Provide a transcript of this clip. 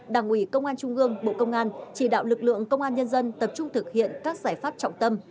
đảng ủy công an trung gương bộ công an chỉ đạo lực lượng công an nhân dân tập trung thực hiện các giải pháp trọng tâm